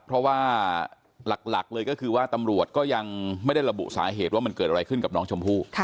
เพราะว่าหลักเลยก็คือว่าตำรวจก็ยังไม่ได้ระบุสาเหตุว่ามันเกิดอะไรขึ้นกับน้องชมพู่